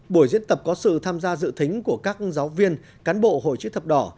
buổi diễn tập có sự tham gia dự thính của các giáo viên cán bộ hội chữ thập đỏ